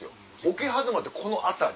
桶狭間ってこの辺り？